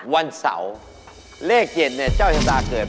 ไม่น่าจะปรุงสเปกเข้าหน้าเลย